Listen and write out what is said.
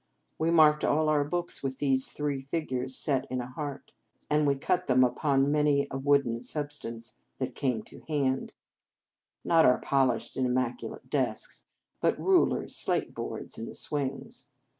We marked all our books with these three figures set in a heart, and we cut them upon any wooden substance that came to hand, not our polished and immaculate desks, but rulers, slate borders, and the swings.